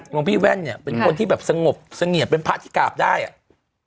หลวงพี่แว่นเนี่ยเป็นคนที่แบบสงบเสงี่ยมเป็นพระที่กราบได้อ่ะ